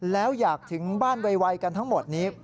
แล้วอยากถึงบ้านไวกันทั้งหมดนี้